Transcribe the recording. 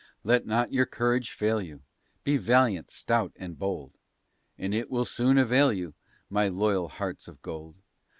Let not your courage fail you; Be valiant, stout and bold; And it will soon avail you, My loyal hearts of gold.